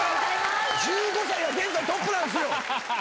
１５歳が現在トップなんすよ。